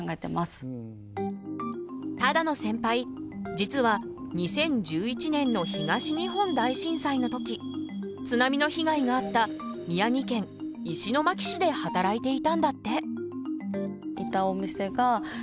実は２０１１年の東日本大震災の時津波の被害があった宮城県石巻市で働いていたんだって。